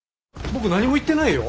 僕何も言ってないよ。